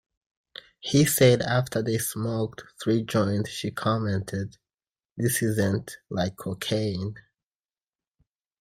He said after they smoked three joints she commented, This isn't like cocaine.